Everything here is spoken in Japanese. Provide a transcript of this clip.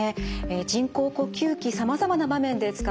人工呼吸器さまざまな場面で使われます。